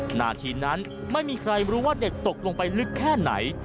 นาทีนั้นไม่มีใครรู้ว่าเด็กตกลงไปลึกแค่ไหน